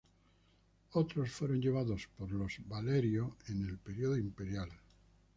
Otros fueron llevados por los Valerio en el periodo imperial.